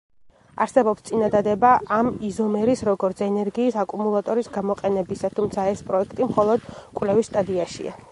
არსებობს წინადადება ამ იზომერის როგორც ენერგიის აკუმულატორის გამოყენებისა, თუმცა ეს პროექტი მხოლოდ კვლევის სტადიაშია.